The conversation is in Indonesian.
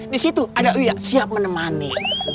disitu ada uya siap menemani